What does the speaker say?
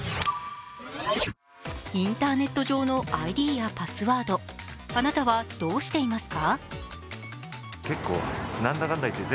インターネット上のＩＤやパスワード、あなたはどうしていますか？